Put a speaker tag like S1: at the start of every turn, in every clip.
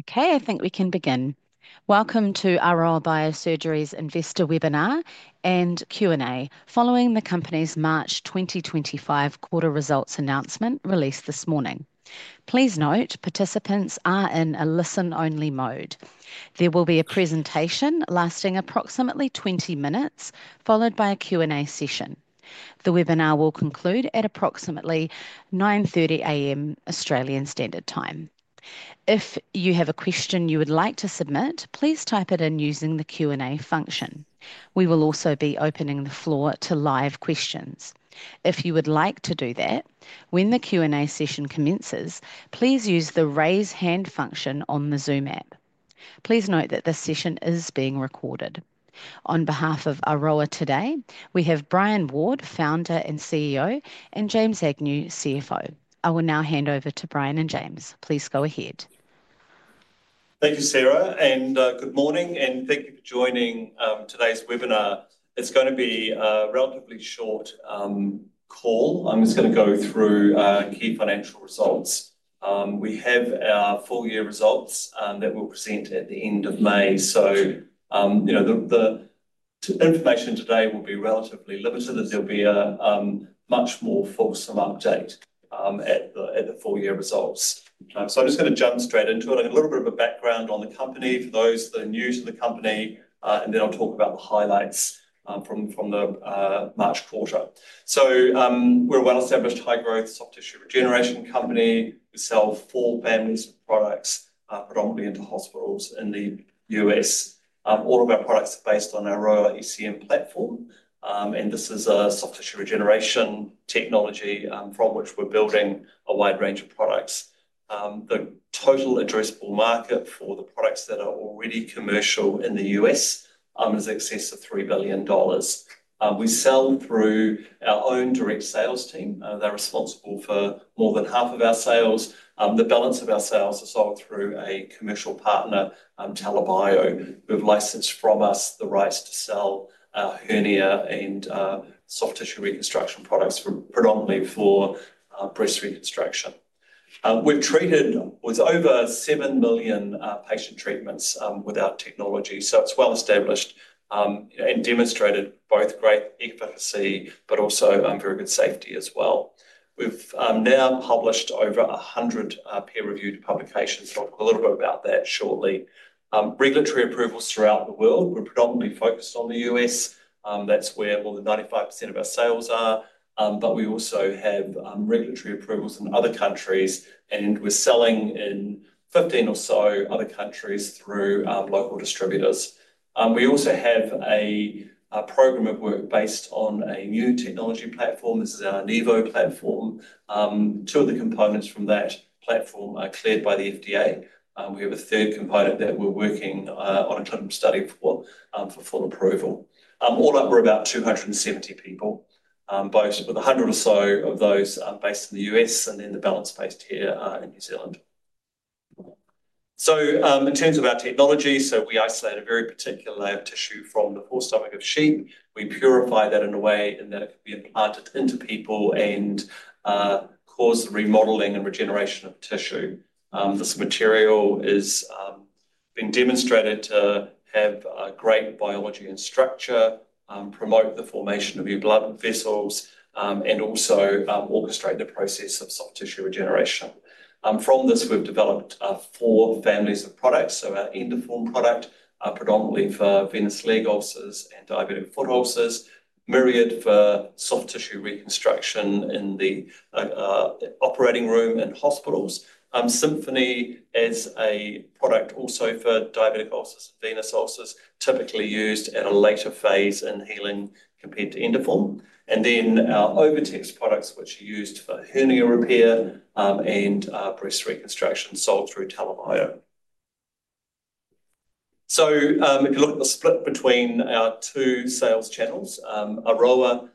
S1: Okay, I think we can begin. Welcome to Aroa Biosurgery's Investor Webinar and Q&A following the company's March 2025 quarter results announcement released this morning. Please note participants are in a listen-only mode. There will be a presentation lasting approximately 20 minutes, followed by a Q&A session. The webinar will conclude at approximately 9:30 A.M. Australian Standard Time. If you have a question you would like to submit, please type it in using the Q&A function. We will also be opening the floor to live questions. If you would like to do that, when the Q&A session commences, please use the raise hand function on the Zoom app. Please note that this session is being recorded. On behalf of Aroa today, we have Brian Ward, Founder and CEO, and James Agnew, CFO. I will now hand over to Brian and James. Please go ahead.
S2: Thank you, Sarah, and good morning, and thank you for joining today's webinar. It's going to be a relatively short call. I'm just going to go through key financial results. We have our full year results that we'll present at the end of May. You know, the information today will be relatively limited, as there'll be a much more fulsome update at the full year results. I'm just going to jump straight into it. I've got a little bit of a background on the company for those that are new to the company, and then I'll talk about the highlights from the March quarter. We're a well-established high-growth soft tissue regeneration company. We sell four families of products, predominantly into hospitals in the U.S. All of our products are based on our Aroa ECM platform, and this is a soft tissue regeneration technology from which we're building a wide range of products. The total addressable market for the products that are already commercial in the U.S. is in excess of $3 billion. We sell through our own direct sales team. They're responsible for more than half of our sales. The balance of our sales is sold through a commercial partner, TELA Bio, who have licensed from us the rights to sell hernia and soft tissue reconstruction products, predominantly for breast reconstruction. We've treated over 7 million patient treatments with our technology, so it's well established and demonstrated both great efficacy, but also very good safety as well. We've now published over 100 peer-reviewed publications, and I'll talk a little bit about that shortly. Regulatory approvals throughout the world. We're predominantly focused on the U.S. That's where more than 95% of our sales are. We also have regulatory approvals in other countries, and we're selling in 15 or so other countries through local distributors. We also have a program of work based on a new technology platform. This is our Enivo platform. Two of the components from that platform are cleared by the FDA. We have a third component that we're working on a clinical study for for full approval. All up, we're about 270 people, with 100 or so of those based in the U.S. and then the balance based here in New Zealand. In terms of our technology, we isolate a very particular layer of tissue from the forestomach of sheep. We purify that in a way that it can be implanted into people and cause the remodeling and regeneration of tissue. This material has been demonstrated to have great biology and structure, promote the formation of your blood vessels, and also orchestrate the process of soft tissue regeneration. From this, we've developed four families of products. Our Endoform product, predominantly for venous leg ulcers and diabetic foot ulcers, Myriad for soft tissue reconstruction in the operating room and hospitals, Symphony as a product also for diabetic ulcers and venous ulcers, typically used at a later phase in healing compared to Endoform, and then our OviTex products, which are used for hernia repair and breast reconstruction, sold through TELA Bio. If you look at the split between our two sales channels, Aroa,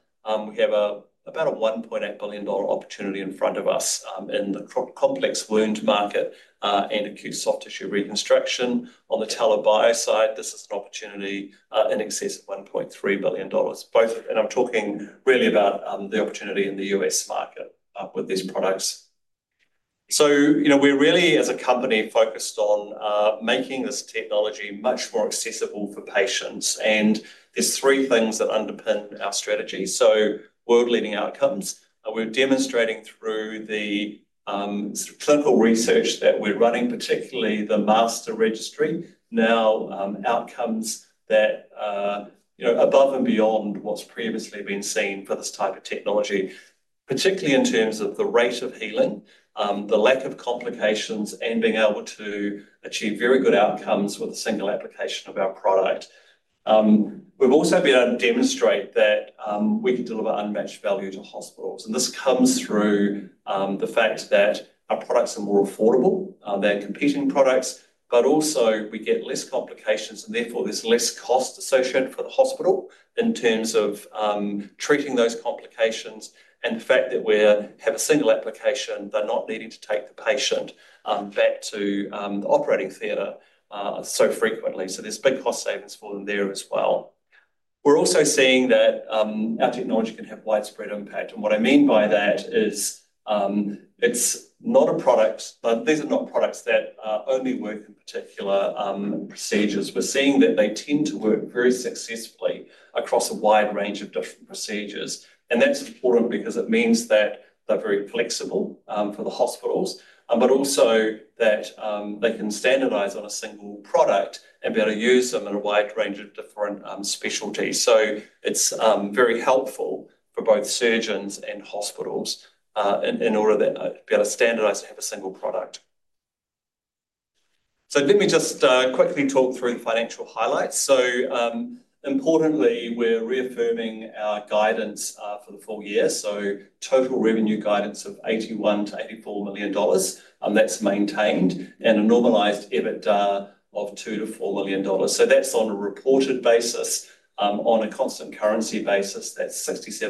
S2: we have about a $1.8 billion opportunity in front of us in the complex wound market and acute soft tissue reconstruction. On the TELA Bio side, this is an opportunity in excess of $1.3 billion. I'm talking really about the opportunity in the U.S. market with these products. You know, we're really, as a company, focused on making this technology much more accessible for patients. There are three things that underpin our strategy. World-leading outcomes, we're demonstrating through the clinical research that we're running, particularly the master registry, now outcomes that are above and beyond what's previously been seen for this type of technology, particularly in terms of the rate of healing, the lack of complications, and being able to achieve very good outcomes with a single application of our product. We've also been able to demonstrate that we can deliver unmatched value to hospitals. This comes through the fact that our products are more affordable, they're competing products, but also we get less complications, and therefore there's less cost associated for the hospital in terms of treating those complications and the fact that we have a single application, they're not needing to take the patient back to the operating theatre so frequently. There are big cost savings for them there as well. We're also seeing that our technology can have widespread impact. What I mean by that is it's not a product, but these are not products that only work in particular procedures. We're seeing that they tend to work very successfully across a wide range of different procedures. That's important because it means that they're very flexible for the hospitals, but also that they can standardize on a single product and be able to use them in a wide range of different specialties. It is very helpful for both surgeons and hospitals in order to be able to standardize and have a single product. Let me just quickly talk through the financial highlights. Importantly, we're reaffirming our guidance for the full year. Total revenue guidance of $81 million-$84 million is maintained, and a normalized EBITDA of $2 million-$4 million. That's on a reported basis. On a constant currency basis, that's $76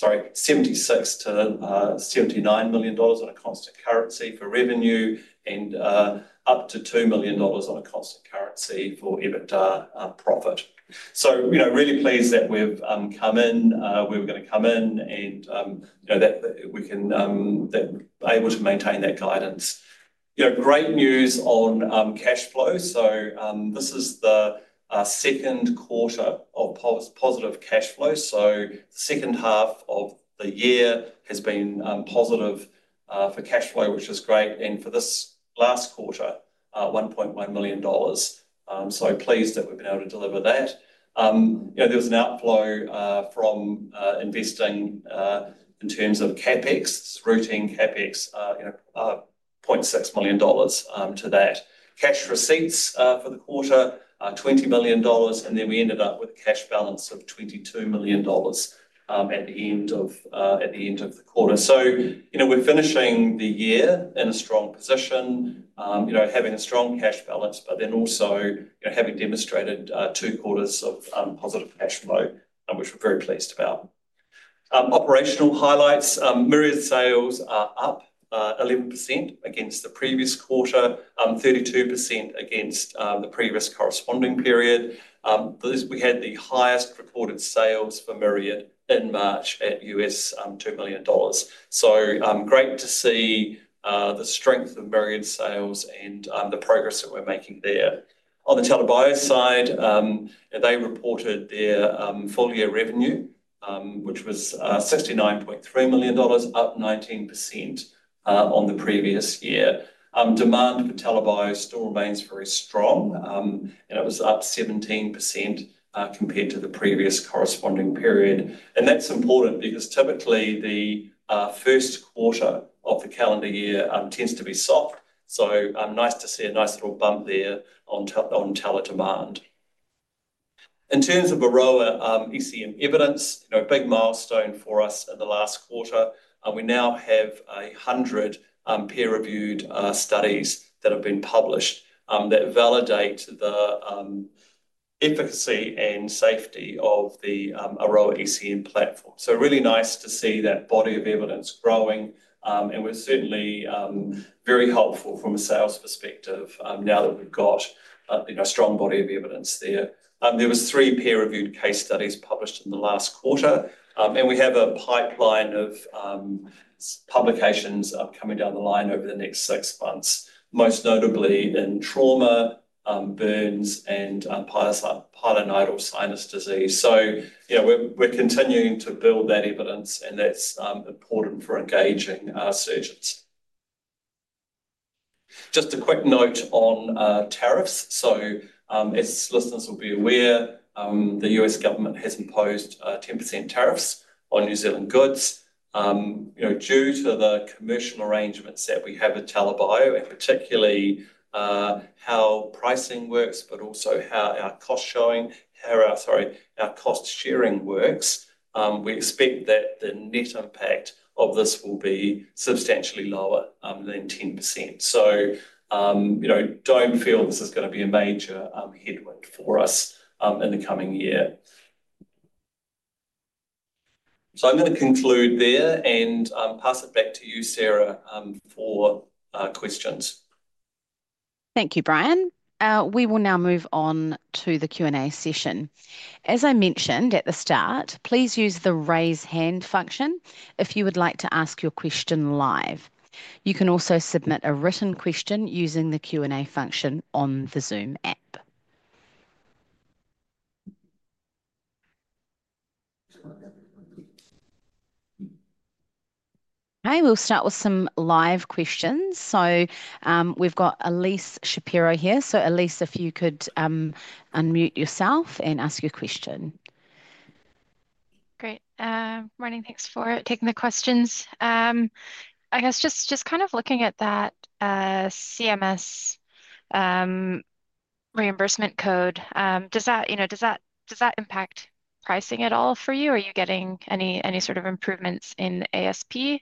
S2: million-$79 million on a constant currency for revenue and up to $2 million on a constant currency for EBITDA profit. You know, really pleased that we've come in, we were going to come in, and, you know, that we can be able to maintain that guidance. You know, great news on cash flow. This is the second quarter of positive cash flow. The second half of the year has been positive for cash flow, which is great. For this last quarter, $1.1 million. So pleased that we've been able to deliver that. You know, there was an outflow from investing in terms of CapEx, routing CapEx, $0.6 million to that. Cash receipts for the quarter, $20 million. We ended up with a cash balance of $22 million at the end of the quarter. You know, we're finishing the year in a strong position, you know, having a strong cash balance, but then also, you know, having demonstrated two quarters of positive cash flow, which we're very pleased about. Operational highlights. Myriad sales are up 11% against the previous quarter, 32% against the previous corresponding period. We had the highest reported sales for Myriad in March at $2 million. Great to see the strength of Myriad sales and the progress that we're making there. On the TELA Bio side, they reported their full year revenue, which was $69.3 million, up 19% on the previous year. Demand for TELA Bio still remains very strong, and it was up 17% compared to the previous corresponding period. That's important because typically the first quarter of the calendar year tends to be soft. Nice to see a nice little bump there on TELA demand. In terms of Aroa ECM evidence, you know, a big milestone for us in the last quarter. We now have 100 peer-reviewed studies that have been published that validate the efficacy and safety of the Aroa ECM platform. Really nice to see that body of evidence growing. We're certainly very hopeful from a sales perspective now that we've got, you know, a strong body of evidence there. There were three peer-reviewed case studies published in the last quarter, and we have a pipeline of publications coming down the line over the next six months, most notably in trauma, burns, and pilonidal sinus disease. You know, we're continuing to build that evidence, and that's important for engaging our surgeons. Just a quick note on tariffs. As listeners will be aware, the U.S. government has imposed 10% tariffs on New Zealand goods, you know, due to the commercial arrangements that we have at TELA Bio, and particularly how pricing works, but also how our cost-sharing works. We expect that the net impact of this will be substantially lower than 10%. You know, do not feel this is going to be a major headwind for us in the coming year. I am going to conclude there and pass it back to you, Sarah, for questions.
S1: Thank you, Brian. We will now move on to the Q&A session. As I mentioned at the start, please use the raise hand function if you would like to ask your question live. You can also submit a written question using the Q&A function on the Zoom app. Okay, we will start with some live questions. We have Elise Shapiro here. Elise, if you could unmute yourself and ask your question.
S3: Great. Good morning. Thanks for taking the questions. I guess just kind of looking at that CMS reimbursement code, does that, you know, does that impact pricing at all for you? Are you getting any sort of improvements in ASP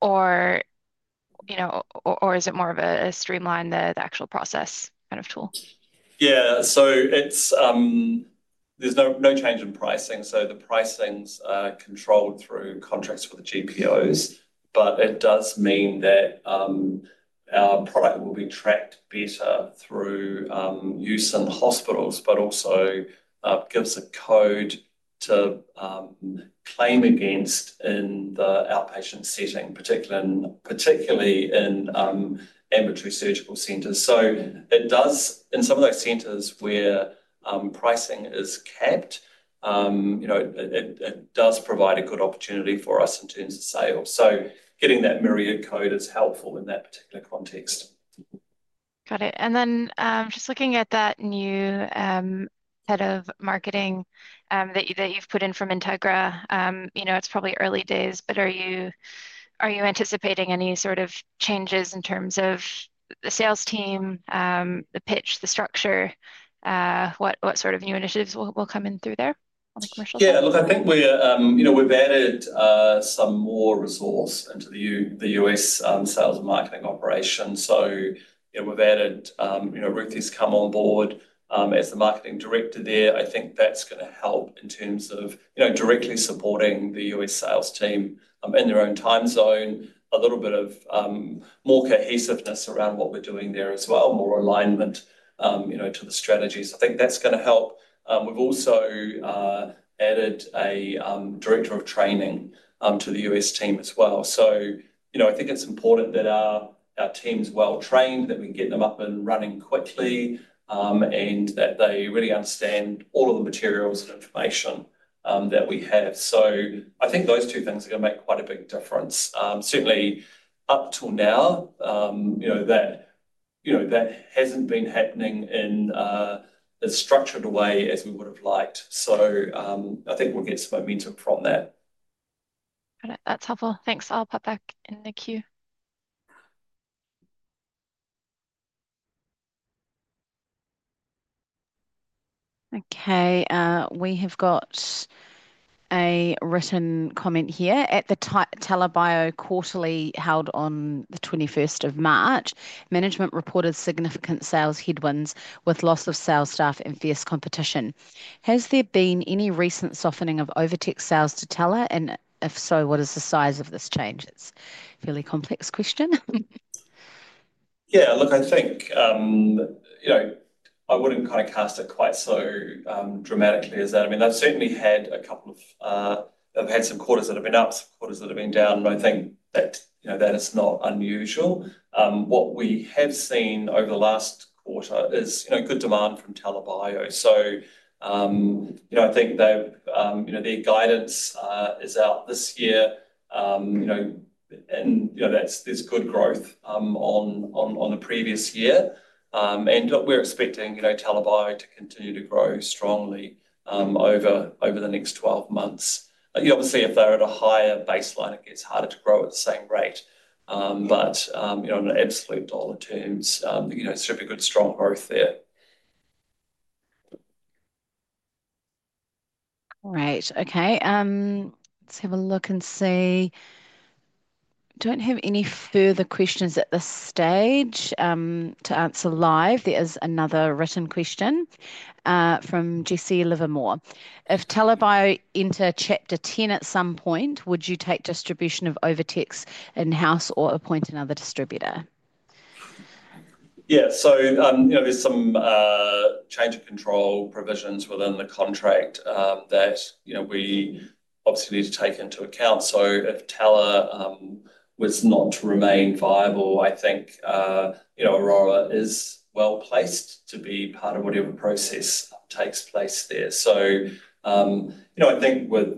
S3: or, you know, or is it more of a streamlined the actual process kind of tool?
S2: Yeah, so there's no change in pricing. The pricing's controlled through contracts for the GPOs, but it does mean that our product will be tracked better through use in hospitals, but also gives a code to claim against in the outpatient setting, particularly in ambulatory surgical centers. It does, in some of those centers where pricing is capped, you know, provide a good opportunity for us in terms of sales. Getting that Myriad code is helpful in that particular context.
S3: Got it. Just looking at that new set of marketing that you've put in from Integra, you know, it's probably early days, but are you anticipating any sort of changes in terms of the sales team, the pitch, the structure? What sort of new initiatives will come in through there on the commercial side?
S2: Yeah, look, I think we're, you know, we've added some more resource into the U.S. sales and marketing operation. So, you know, we've added, you know, Ruthie's come on board as the Marketing Director there. I think that's going to help in terms of, you know, directly supporting the U.S. sales team in their own time zone, a little bit of more cohesiveness around what we're doing there as well, more alignment, you know, to the strategies. I think that's going to help. We've also added a Director of Training to the U.S. team as well. You know, I think it's important that our teams are well trained, that we can get them up and running quickly, and that they really understand all of the materials and information that we have. I think those two things are going to make quite a big difference. Certainly up till now, you know, that, you know, that hasn't been happening in as structured a way as we would have liked. I think we'll get some momentum from that.
S3: Got it. That's helpful. Thanks. I'll pop back in the queue.
S1: Okay. We have got a written comment here. At the TELA Bio quarterly held on the 21st of March, management reported significant sales headwinds with loss of sales staff and fierce competition. Has there been any recent softening of OviTex sales to TELA? And if so, what is the size of this change? It's a fairly complex question.
S2: Yeah, look, I think, you know, I wouldn't kind of cast it quite so dramatically as that. I mean, they've certainly had a couple of, they've had some quarters that have been up, some quarters that have been down. I think that, you know, that is not unusual. What we have seen over the last quarter is, you know, good demand from TELA Bio. You know, I think they've, you know, their guidance is out this year, you know, and, you know, there's good growth on the previous year. We're expecting, you know, TELA Bio to continue to grow strongly over the next 12 months. Obviously, if they're at a higher baseline, it gets harder to grow at the same rate. You know, in absolute dollar terms, you know, it's sort of a good strong growth there.
S1: All right. Okay. Let's have a look and see. Don't have any further questions at this stage to answer live. There is another written question from Jesse Livermore. If TELA Bio enter Chapter 10 at some point, would you take distribution of OviTex in-house or appoint another distributor?
S2: Yeah, so, you know, there's some change of control provisions within the contract that, you know, we obviously need to take into account. So if TELA was not to remain viable, I think, you know, Aroa is well placed to be part of whatever process takes place there. So, you know, I think where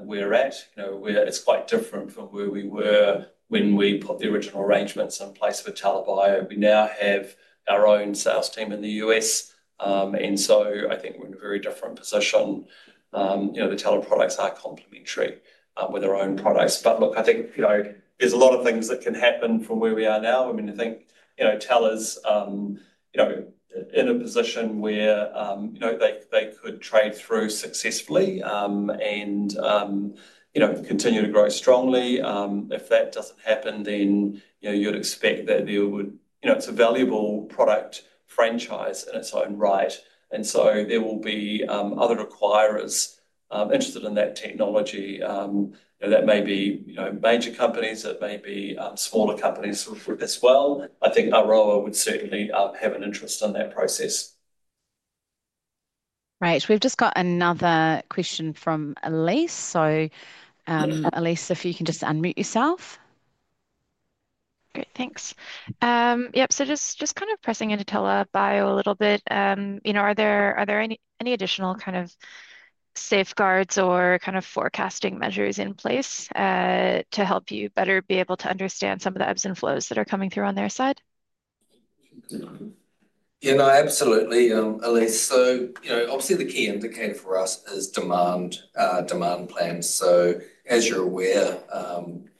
S2: we're at, you know, it's quite different from where we were when we put the original arrangements in place for TELA Bio. We now have our own sales team in the U.S. And so I think we're in a very different position. You know, the TELA products are complementary with our own products. But look, I think, you know, there's a lot of things that can happen from where we are now. I mean, I think, you know, TELA's, you know, in a position where, you know, they could trade through successfully and, you know, continue to grow strongly. If that doesn't happen, then, you know, you'd expect that there would, you know, it's a valuable product franchise in its own right. And so there will be other acquirers interested in that technology. You know, that may be, you know, major companies. It may be smaller companies as well. I think Aroa would certainly have an interest in that process.
S1: Right. We've just got another question from Elise. Elise, if you can just unmute yourself.
S3: Great. Thanks. Yep. Just kind of pressing into TELA Bio a little bit. You know, are there any additional kind of safeguards or kind of forecasting measures in place to help you better be able to understand some of the ebbs and flows that are coming through on their side?
S4: Yeah, no, absolutely, Elise. You know, obviously the key indicator for us is demand plans. As you're aware,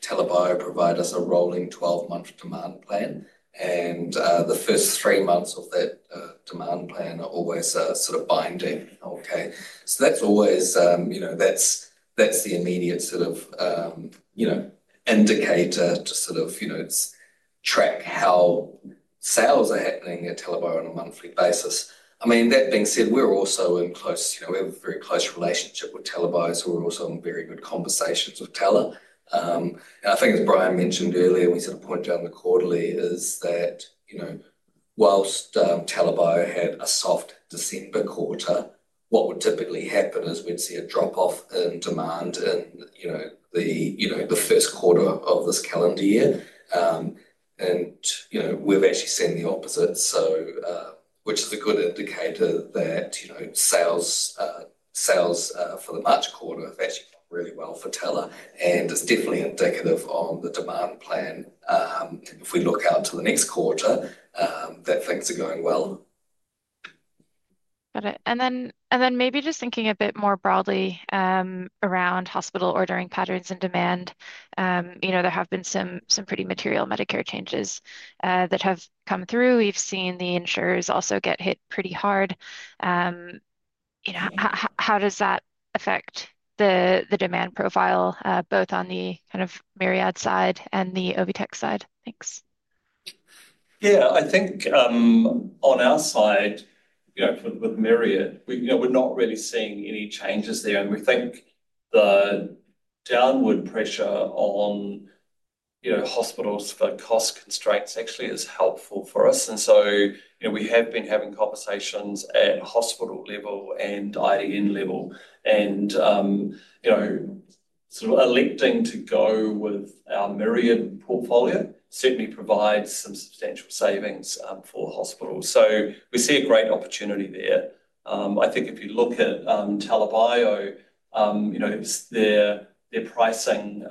S4: TELA Bio provides us a rolling 12-month demand plan. The first three months of that demand plan are always sort of binding. Okay. That's always, you know, that's the immediate sort of, you know, indicator to sort of, you know, track how sales are happening at TELA Bio on a monthly basis. I mean, that being said, we're also in close, you know, we have a very close relationship with TELA Bio. We're also in very good conversations with TELA. I think as Brian mentioned earlier, we sort of pointed out in the quarterly is that, you know, whilst TELA Bio had a soft December quarter, what would typically happen is we'd see a drop-off in demand in, you know, the, you know, the first quarter of this calendar year. You know, we've actually seen the opposite, which is a good indicator that, you know, sales for the March quarter have actually gone really well for TELA. It's definitely indicative on the demand plan. If we look out to the next quarter, things are going well.
S3: Got it. Maybe just thinking a bit more broadly around hospital ordering patterns and demand, you know, there have been some pretty material Medicare changes that have come through. We've seen the insurers also get hit pretty hard. You know, how does that affect the demand profile both on the kind of Myriad side and the OviTex side? Thanks.
S2: Yeah, I think on our side, you know, with Myriad, you know, we're not really seeing any changes there. We think the downward pressure on, you know, hospitals for cost constraints actually is helpful for us. You know, we have been having conversations at hospital level and IDN level and, you know, sort of electing to go with our Myriad portfolio certainly provides some substantial savings for hospitals. We see a great opportunity there. I think if you look at TELA Bio, you know, their pricing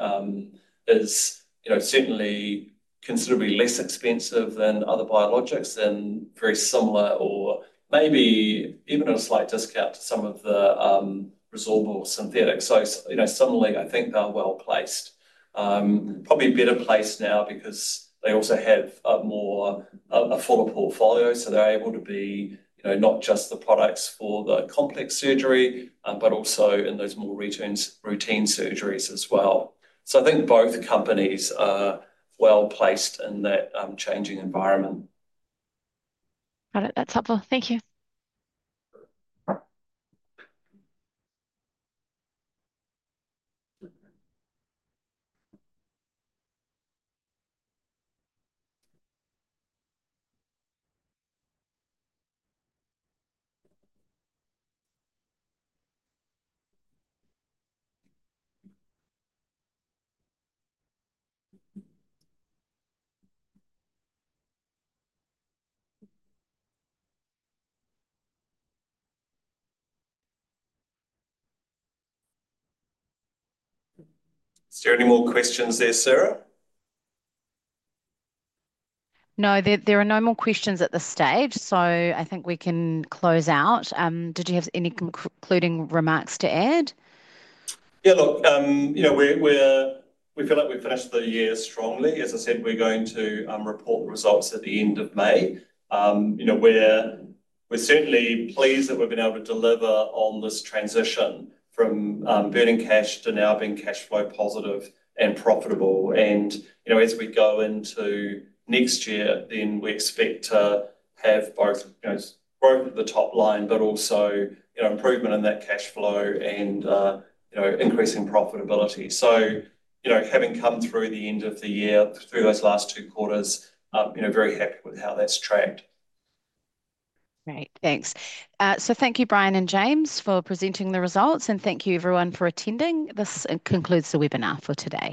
S2: is, you know, certainly considerably less expensive than other biologics and very similar or maybe even at a slight discount to some of the resorbable synthetics. You know, suddenly I think they're well placed. Probably better placed now because they also have a fuller portfolio. They're able to be, you know, not just the products for the complex surgery, but also in those more routine surgeries as well. I think both companies are well placed in that changing environment.
S1: Got it. That's helpful. Thank you.
S2: Is there any more questions there, Sarah?
S1: No, there are no more questions at this stage. I think we can close out. Did you have any concluding remarks to add?
S2: Yeah, look, you know, we feel like we've finished the year strongly. As I said, we're going to report the results at the end of May. You know, we're certainly pleased that we've been able to deliver on this transition from burning cash to now being cash flow positive and profitable. You know, as we go into next year, then we expect to have both, you know, growth at the top line, but also, you know, improvement in that cash flow and, you know, increasing profitability. You know, having come through the end of the year, through those last two quarters, you know, very happy with how that's tracked.
S1: Great. Thanks. Thank you, Brian and James, for presenting the results. Thank you, everyone, for attending. This concludes the webinar for today.